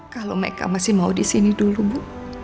kalau meka masih mau disini dulu bu